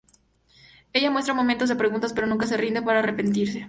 Ella muestra momentos de preguntas pero nunca se rinde para arrepentirse.